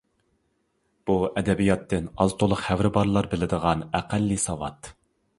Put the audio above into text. بۇ ئەدەبىياتتىن ئاز-تولا خەۋىرى بارلار بىلىدىغان ئەقەللىي ساۋات.